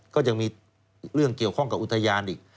ก็ยังมีเรื่องเกี่ยวข้องกับอุทยานอีก